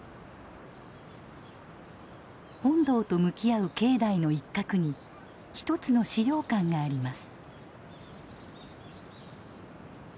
本堂と向き合う境内の一角にひとつの資料館があります。